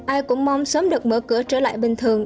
ai cũng mong sớm được mở cửa trở lại bình thường